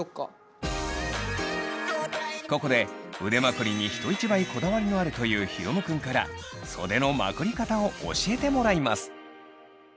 ここで腕まくりに人一倍こだわりのあるというヒロムくんから袖のまくり方を教えてもらいます。